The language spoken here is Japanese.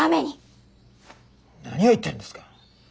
何を言ってるんですか？